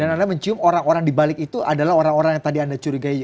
dan anda mencium orang orang di balik itu adalah orang orang yang tadi anda curigai